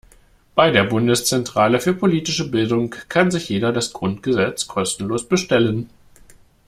Bei der Bundeszentrale für politische Bildung kann sich jeder das Grundgesetz kostenlos bestellen.